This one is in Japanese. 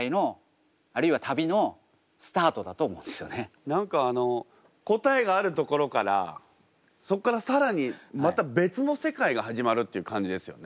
でも何かあの答えがあるところからそっから更にまた別の世界が始まるっていう感じですよね。